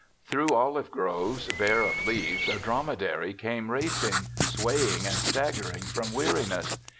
Through olive groves, bare of leaves, a dromedary came racing, swaying and staggering from weari ness.